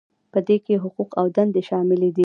په دې کې حقوق او دندې شاملې دي.